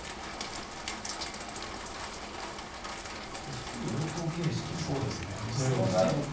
質疑応答形式のようですね。